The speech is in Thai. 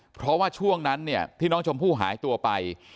เพราะว่าช่วงนั้นเนี่ยที่น้องชมพู่หายตัวไป